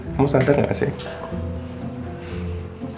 kamu santar gak sih